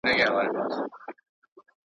چي لا به نوري څه کانې کیږي.